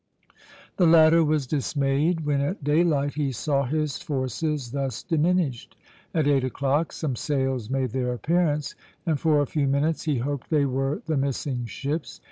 The latter was dismayed when at daylight he saw his forces thus diminished. At eight o'clock some sails made their appearance, and for a few minutes he hoped they were the missing ships.